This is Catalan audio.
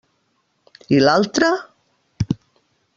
I l'altra?